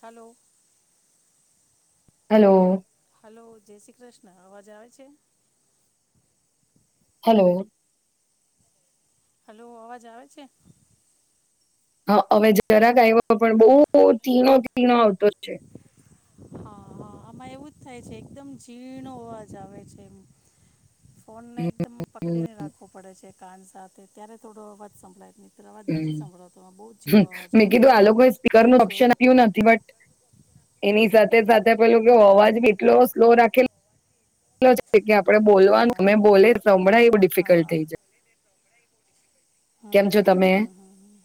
Hello. Hello. Hello, જય શ્રી કૃષ્ણ, અવાજ આવે છે. હેલો. હલો, અવાજ આવે છે? હા હવે જરાક આવ્યો પણ બહુ તીણો તીણો આવતો છે. હા, હા આમાં એવું જ થાય છે, એકદમ ઝીણો અવાજ આવે છે એમ. ફોન ને હમ એકદમ પકડીને રાખવો પડે છે કાન સાથે. ત્યારે થોડો અવાજ સંભળાય છે. હમ્મ, મેં આવે કીધું છે આ લોકોએ સ્પીકર કેમ નું છો ઓપ્શન આપ્યું નથી બટ એની સાથે-સાથે પેલું કેવો અવાજ બી એટલો સ્લો રાખેલો છે કે આમ હા [unintelligible] હમ્મ-હમ્મ-હમ્મ-હમ્મ,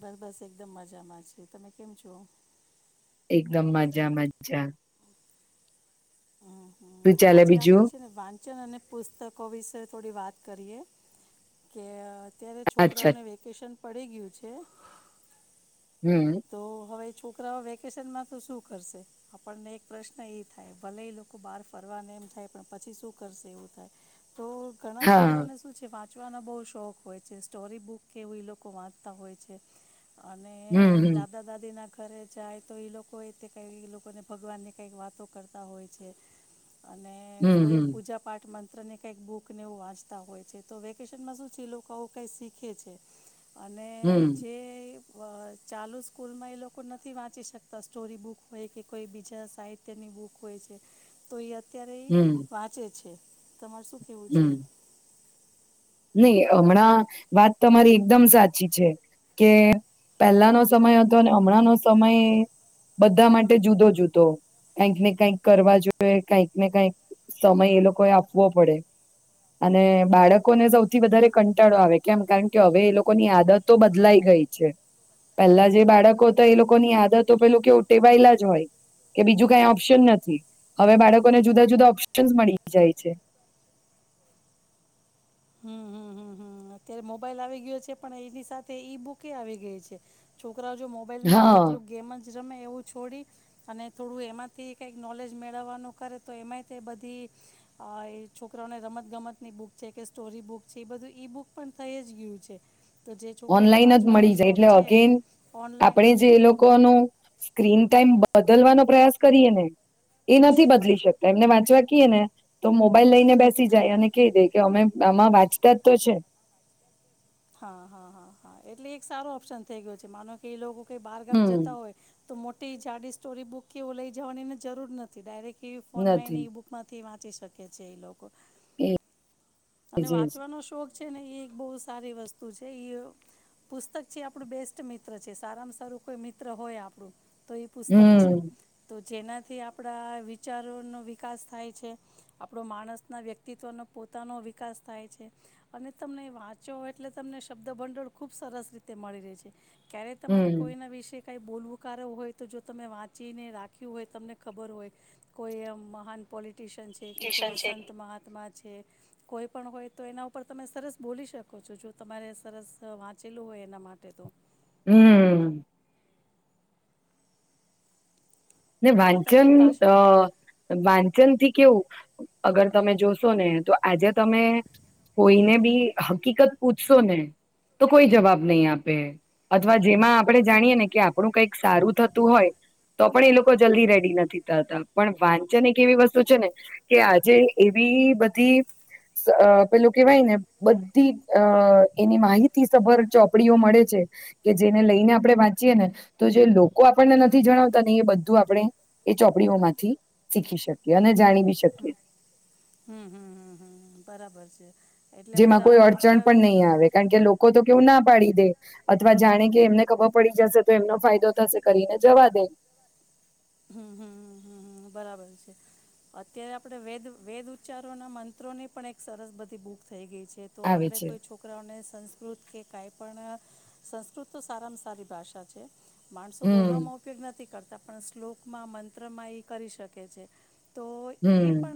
બસ બસ એકદમ મજામાં છે. તમે કેમ છો? એકદમ મજા મજા હમ્મ, હમ્મ, શું ચાલે આજે બીજું આપડે છે ને વાન કિકચન અને પુસ્તકો વિશે થોડી વાત કરીએ, કે અ્યારે અચ્છા છોકરાઓને વેકેશન પડી ગયું છે હમ્મ. તો હવે છોકરાઓ વેકેશનમાં તો શું કરશે આપણને એક પ્રશ્ન થાય, ભલે એ લોકો બાર ફરવા એમ જાય, પણ પછી શું કરશે એવું થાય. તો ઘણા હા છોકરાને શું છે, વાત ચવાનો બહ શોખ હોય છે. સ્ટોરી બુક કે એવું એલોકો વાંચતા હોય છે. અને હમ હમ દાદા દાદી ના કરરે જાય, તો એ લોકો એ તે કઈ, એ લોકોને ભગવાન ની કઈક વાતો કરતા હોય છે. અને હમ કોઈ હમ પૂજા પાઠમાં અને કંઈક બુક ને એવું વાંચતા હોય છે, તો વેકેશનમાં શું છે એલોકો આવું કઈ શીખે છે. અને હમ જે અહ ચાલુ સ્કૂલમાં એ લોકો નથી વાંચી શકતા સ્ટોરી બુક હોય કે કોઈ બીજા સાહિત્યની બુક હોય છે, તો એ અત્ અત્યારે એ હમ વાંચે છે. તમારે શું કેહવું છે? નઈ હમણાં વાત તમારી એકદમ સાચી છે કે પહેલાનો સમય હતો અને અમણાંનો સમય બધા માટે જુદો જુદો કાંઈક ને કાંઈક કરવા જોઈએ, કાંઈક ને કાંઈક સમય એ લોકોએ આપવો પડે અને બાળક કોને સૌથી વધારે કંટાળો આવે કેમ કારણ કે હવે એ લોકોની આદતો તો બદલાઈ ગઈ છે, પેલ્લા જે બાળકો હતા એ લોકોની આદતો પેલુ કેવુ ટેવાયેલા જ હોય કે બીજું કઈ ઓપ્શન નથી, હવે બાળકોને જુદા જુદા ઓપ્શનસ મળી જાય છે. હં, હં, હં, હં, હમ્મ, અત્યારે મોબાઈલ આવી ગયો છે પણ એની સાથે ઈ બુકે આવી ગઈ છે, છો કરા જો મોબાઈલમાં હા એકલુ ગેમ જ રમે એવું છોડી અને થોડું એમાંથી કંઈક નોલેજ મેળવવાનું કરે તો એમાંય તે બધી અ એ છોકરાને રમતગમતની બુક છે કે સ્ટોરી બુક છે, ઈ બધું ઈ બુક પણ થઈ જ ગયું છે. તો જે છોકરાઓને ઓનલાઈન જ વાંચવાનો મળી જાય શોખ એટલે છે અગેન ઓનલાઈન આપણેે જે એ લોકોનું સ્ક્રીન ટાઈમ બદલવાનો પ્રયાસ કરીએ ને એ નથી બદલી શકતા, એમને વાંચવા કીએ ને તો મોબ બાઈલ લઈને બેસી જાય હમ અને કેય દે કે અમે આમાં વાંચતા જ તો છે. હાં, હાં. એટલે એક સારો ઓપ્શન થેઈ ગયો છે માનો કે એ લોકો કંઈ બારગામ હમ જતા હોય તો મોટી જાડી સ્ટોરી બુક કે એવું લઈ જવાની એને જરૂર નથી, ડાયરેક્ટ એવી ફોનમાં નથી એની ઈ બુકમાંથી વાં ચી શકે છે એ લોકો એ અને જ એ જ વાંચવાનો શોખ છે ને ઈ એક બઉ સારી વસ્તુ છે, ઈ પુસ્તક છે આપણું બેસ્ટ મિત્ર છે, સારામાં સારું કોઈ મિત્ર હોય આપણું તો એ પુસ્તક છે હમ તો જેનાથી આપણા વિચારોનો વિકાસ થાય છે. આપણો માણસના વ્યક્તિત્વનો પોતાનો વિ કાસ થાય છે અને તમને વાંચો એટલે તમને શબ્દ ભંડોળ ખુબ સરસ રીતે મળી રહે છે. ક્યારે તમારે હમ કોઈના વિષે કંઈ બોલવું કારક હોય તો જો તમે વાંચીને રાખ્યું હોય તમને ખબર હોય કોઈ એ મહાન પોલી ટીશન છે કે કોઈ સંત મહાત્મા છે. કોઈ પણ હોય તો એના ઉપર તમે સરસ બોલી શકો છો. જો તમારે સરસ વાંચેલું હોય એના માટે તો. હમ્મ. ને અને વાંચન તમારી ભાષા અહ વાંચન થી કેવું અગર તમે જોશો ને તો આજે તમે કોઈને બી હકીકત પૂછશો ને તો કોઈ જવાબ નહી આપે. અથવા જેમાં આપણે જાણીએ ને કે આપણું કઈક સારું થતું હોય, તો પણ એ લોક કો જલ્દી રેડી નથી થતા. પણ વાંચન એક એવી વસ્તુ છે ને, કે આજે એવી બધી સ પેલું કેવાય ને બધી અહ એની માહિતી સભર ચોપડીઓ મળે છે. કે જેને લઈને આપણે વાંચીએ ને, તો જે લોકો આપણને નથી જણાવતા ને એ બધ ધું આપણે એ ચોપડીઓ માંથી શીખી શકીએ અને જાણી બી શકીએ. હમ્મ-હમ્મ-હમ્મ-હમ્મ-હમ્મ બરાબર છે. એટલે જેમાં બધા કોઈ અડચણ આપણા પણ નહીં આવે. કારણ કે લોકો તો કેવું ના પાડી દે અથવા જાણે કે એમને ખબર પડી જશે તો એમનો ફાયદો થશે કરીને જવા દે. હમ્મ-હમ્મ-હમ્મ-હમ્મ-હમ્મ બરાબર છે. અત્યારે આપડે વેદ-વેદ ઉચ્ચારોના મંત્રો ની પણ એક સરસ બધી બુક થઈ ગઈ છે. તો આવે આપણે છે કોઈ છોકરાઓને સંસ સંસ્કૃત કે કાંઈ પણ અહ સંસ્કૃત તો સારામાં સારી ભાષા છે. માણસો હમ બોલવામાં ઉપયોગ નથી કર તા પણ સ્લો માં મંત્રમાં એ કરી શકે છે. હમ્મ.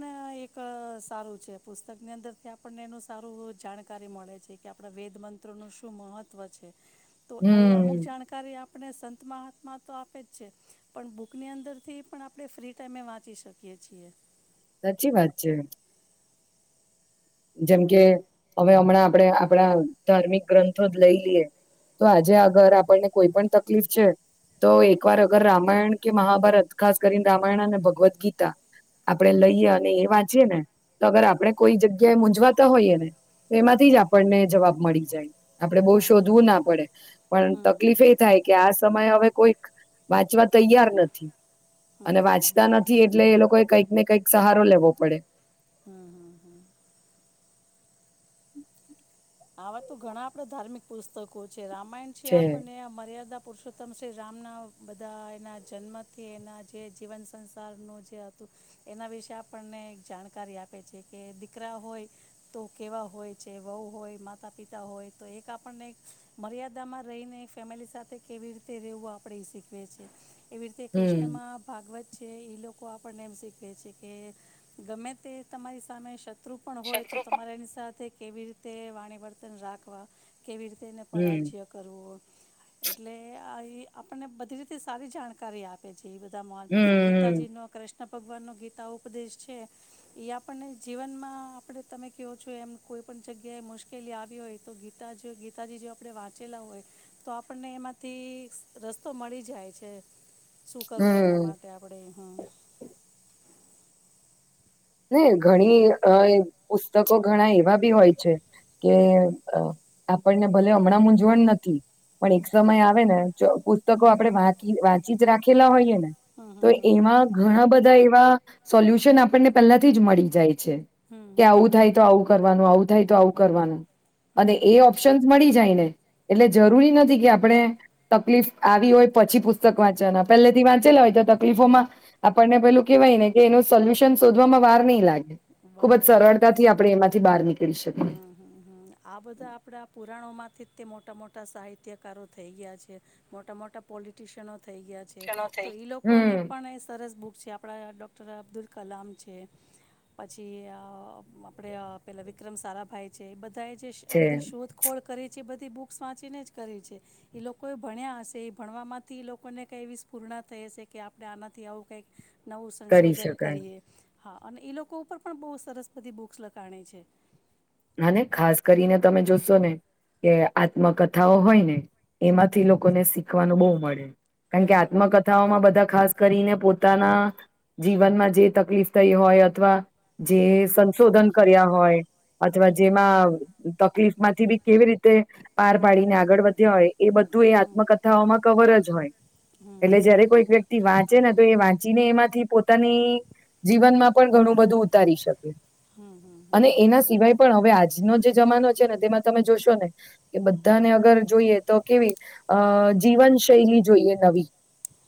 અહ સારું છે. પુસ્તકની અંદરથી આપણને એનું સારું જાણકારી મળે છે કે, આપણા વેદ મંત્રનું શું મહત્વ છે. તો આવી અમુક હમ જાણકારી આપ આપને સંત મહાત્મા તો આપે જ છે, પણ બૂ કની અંદર થી પણ આપણે ફ્રી ટાઈમે વાંચી શકીએ છીએ. સાચી વાત છે. જેમ કે હવે હમણાં આપડે-આપડા ધાર્મિક ગ્રંથો જ લઈ લઈએ, તો આજે અગર આપણને કોઈ પણ તકલીફ છે, તો એકવાર અગર રામાયણ કે મહાભારત ખાસ કરીને રામાયણ અને ભગવદ ગીતા આપણેે લઈએ અને એ વાંચીએ ને તો અગર આપણે કોઈ જગ્ય ગ્યા મૂઝવાતા હોઈએ ને, તો એમાંથી જ આપણને જવાબ મળી જાય. આપડે બહુ હા એમ. શોધવું ના પડે, પણ હમ તકલીફ એ થાય કે આ સમયે હવે કોઈક વાંચવા તૈયાર નથી હમ અને હમ વાંચતા હમ નથી એટલે એ લોકોએ કંઈક ને કંઈક સહારો લેવો પડે. હમ્મ-હમ્મ-હમ્મ. આવા તો ઘણા આપડા ધાર્મિક પુસ્તકો છે. રામાયણ છે આપણને આ મર્યાદા પુરુષોત્તમ શ્રી રામના બધા એના જન્મથી એના જે જીવન સંસારનું જે હતું, એના વિશે આપણને એક જાણકારી આપે છે. કે દીકરા હોય તો કેવા હોય છે. વહુ હોય માતા પિતા હોય, તો એક આપણને એક મર્યાદામાં રહીને ફેમિલી સાથે કેવી રીતે રવું આપણેે એ શીખવે છેએ. એવી રીતે હમ કૃષ્ણમાં ભાગવત છે, ઈ લોકો આપણને એમ શીખવે છે કે, ગમે તે તમારી સામે સ ત્રુ પણ હોય તો તમારે એની સાથે કેવી રીતે વાણી વર્તન રાખવા કેવી રીતે એને હમ પરાજય કરવો એટલે આ એ આપને બધી રીતે સારી જાણકારી આપે છે. જે બધા [unintelligible] હમ હમ ગીતાજી નો કૃષ્ કૃષ્ણ ભગવાનનો ગીતા ઉપદેશ છે એ આપણને જીવનમાં આપણે તમે કયો છો એમ કોઈ પણ જગ્યાએ મુશ્કેલી કેલી આવી હોય તો ગીતા જ્યો ગીતાજી જો આપણે વાંચેલા હોય તો આપણને એમાંથી સ રસ્તો મળી જાય છે એમ. શું કરવું હમ. એના માટે આપડે હા. નહી ઘણી અય પુસ્તકો ઘણા એવા બી હોય છે કે આપણને ભલે હમણાં મૂંઝવણ નથી પણ એક સમય આવે ને જો હમ પુસ્તકો આપડે વાંકી વાંચ ચીત રાખેલા હોઈએ ને હમ તો હમ હમ એમાં ઘણા બધા એ માં સોલ્યુશન આપણને પહેલાથી જ મળી જાય. છે હમ કે હમ આવું થાય હમ તો હમ આવું કરવાનું આવું થાય તો આવું કરવાનું. હમ અને હમ હમ એ હમ ઓપ્શન્સ મળી જાયને એટલે જરૂરી નથી કે આપડે તકલીફ આવી હોય પછી પુસ્તક વાંચવાના, પહેલેથી વાંચેલા હોય તો તકલીફોમાં આપણને પેલું કેહવાય ને કે એનું સોલ્યુશન શોધવામાં વાર નઈ લા વાર નઈ લાગે, બહાર નીકળી શકીએ હં, હં, આ બધા આપડા પુરાણોમાંથી તે મોટા મોટા સાહિત્યકારો થઈ ગયા છે, મોટા મોટા પોલિટિશિયનો થઈ ગયા છે, તો ઈ લોકોને હમ પણ એ સરસ બુક છે આપણા ડૉક [unintelligible] અબ્દુલ કલામ છે. પછી અ આપણે અ પેલા વિક્રમ સારાભાઈ છે, એ બ ધાએ જે શ આ છે બધી શોધખોળ કરી છે, એ બધ ધી બુક્સ વાંચીને જ કરી છે, એ લોકો એ ભણ્યા હશે ઈ ભણવામાંથી ઈ લોકોને કંઈ એવી સ્ફુરણાં થઈ હશે કે આપણે આનાથી આવું કંઈક નવું કરી સંશોધન શકાય કરીએ. હા અને ઈ લો કો ઉપર પણ બો સરસ બધી બુક્સ લખાણી છે. અને ખાસ કરીને તમે જોશો ને કે આત્મકથાઓ હોય ને એમાંથી લોકોને શીખવાનું બઉ મળે. કાણ કે આત્મકથાઓમાં બધા ખાસ કરીને પોતાના જીવનમાં જે તકલીફ થઈ હોય અથવા જે સંશોધન કર્યા હોય અથવા જેમાં તકલીફ માંથી બી કેવી રીતે પાર પાડીને આગળ વધ્યા હોય એ બધું એ આત્મકથાઓમાં કવર જ હોય, એટલે જયારે કોઈક વ્યક્તિ વાત જેને તો એ વાંચીને એમાંથી પોતાની જીવનમાં પણ ઘણું બધું ઉતારી શકે. હમ્મ-હમ્મ-હમ્મ-હમ્મ, હમ્મ. થાય પણ હવે આજનો જે જમાનો છે ને તેમાં તમે જોશો ને કે બધાને અગર જોઈએ તો કેવી અહ જીવન શૈલી જોઈએ નવી.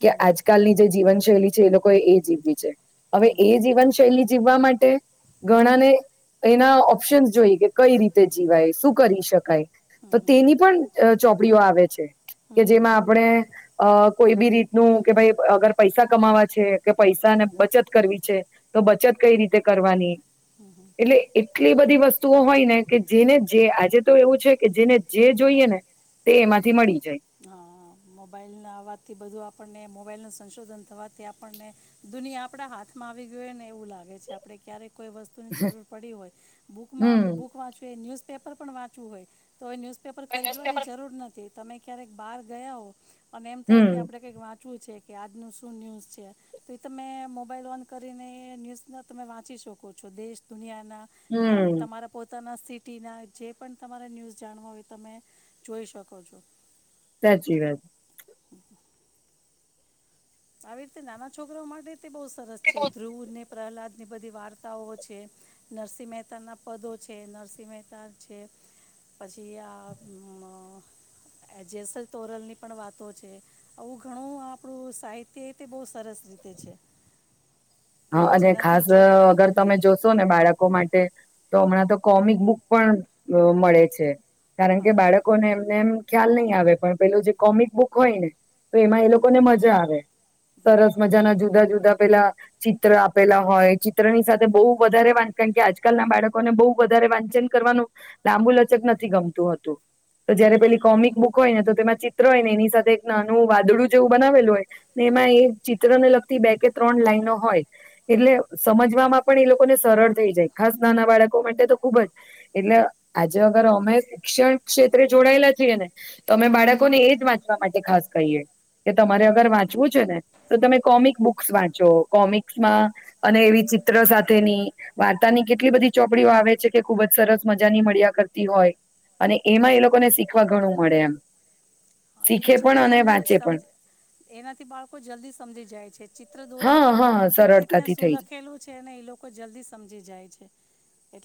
કે આજકાલની જે જીવનશૈલી જે લોકોએ એ જીવવી છે. હવે એ જીવનશૈલી જીવવા માટ ટે ઘણા ને એના ઓ ઓપ્શન જોઈ કે કઈ રીતે જીવાય શું કરી શકાય? તો તેની પણ અહ ચોપડીઓ આવે છે. કે જેમાં આપણે અહ કોઈ બી રીતનું કે ભાઈ અગર પૈસા કમાવે છે કે પૈસા ને બચત કરવી છે, તો બચત કઈ રીતે કરવાની. એટલે હમ્મ-હમ્મ-હમ્મ. એટલી બધી વસ્તુઓ હોય ને કે જેને જે આજે તો એવું છે કે જેને જે જોઈએ ને તે એમાંથી મળી જાય હા, હા મોબાઈલ ના અવાજ થી બધું આપણને મોબાઈલનો સંશોધન થવાથી આપણને દુનિયા આપડા હાથમાં આવી ગઈ હોય ને એવું લાગે છે. આપડે ક્યારેક કોઈ વસ્તુની જરૂર પડી હોય બુકમાં હમ આપણે બુક વાંચું એ ન્યૂઝ પેપર પણ વાંચવું હોય. તો ન્યૂઝપેપર ખરીદવાની જરૂર નથી. તમે ક્યારેક બાર ગયા હો પણ એમ થાય કે હમ આપડે કઈ વાત શું છે કે આજનું શું ન્યૂઝ છે? તો એ તમે મોબાઈલ ઓન કરીને ન્યૂઝ તમે વાંચી શકો છો. દેશ દુનિયા કે હમ તમારા પોતે પોતાના સિટીના જે પણ તમારે ન્યૂઝ જાણવા હોય તમે જોઈ શકો છો. સાચી વાત. આવી રીતે નાના છોકરો માટે બહુ સરસ છે. ધ્રુવને પ્રહલાદની બધી વાર્તાઓ છે, નરસિંહ મહેતાના પદો છે, નરસિંહ મહેતા છે, પછી આ અ જેસલ તોરલ ની પણ વાતો છે આવું ઘણું આપણું સાહિત તે તે બહુ સરસ રીતે છે. કે હા અને જેનાથી ખાસ છોકરા અગર તમે જોશો ને બાળકો માટે તો હમણાં તો કોમિક બુક અ પણ મળે છે. કારણ કે હા બાળકોને એમને એમ ખ્યાલ નહી આવે પણ પેલુ જે કોમિક બુક હોય ને તો એમાં એ હમ લોકોને મજા આવે. હમ સરસ મજાના જુદા જુદા તો પેલા ચિત્ર આપેલા હોય, ચિત્રની સાથે બહુ વધારે વાંચન કે આજકાલના બાળકોને બહુ વધારે વાંચન કરવાનું લાંબુ લચક નથી ગમતું હતું. તો જયારે હમ પેલી હમ. કોમિક બુક હોય ને તો તેમાં ચિત્ર હોય ને એની સાથે એક નાનું વાદળું જેવું બનાવેલું હોય ને એમાં એ ચિત્ર ને લગતી બે કે ત્રણ લાઈનો હોય, એટલે સમજવામાં પણ એ લોકોને સરળ થઈ જાય, ખાસ નાના બાળકો માટે તો ખુબ જ. એટલે આજે અગર અમે શિક્ષણ ક્ષેત્રે જોડાયેલા છીએ ને તો અમે બાળકોને એ જ વાંચવા માટે ખાસ કહીએ, કે તમારે અગર વાંચવું છે ને તો તમે કોમિક બુક્સ વાંચો. કોમિક્સમાં અને એવી ચિત્ર સાથેની વાર્તાની કેટલી બધી ચોપડીઓ આવે છે, કે ખુબ જ સરસ મજાની મળ્યા કરતી હોય, અને એમાં એ લોકોને શીખવા ઘણું મળે એમ. હા એ શીખે પણ જલ્દી અને સમજે વાંચે સમ પણ એનાથી બાળકો જલ્દી સમજી જાય છે. ચિત્ર દોરેલું હા હોય એના હા પરથી તે ત્યાં સરળતાથી શું થઈ લખેલું છે ને ઈ લોકો જલ્દી સમજી જાય છે.